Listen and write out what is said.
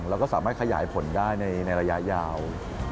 แล้วก็สามารถขยายผลได้ในระยะยาว